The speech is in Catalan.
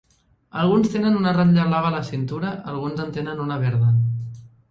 Alguns tenen una ratlla blava a la cintura, alguns en tenen una verda.